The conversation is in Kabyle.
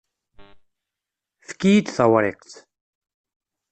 Efk-iyi-d tawriqt.